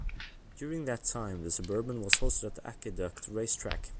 During that time, the Suburban was hosted at Aqueduct Racetrack.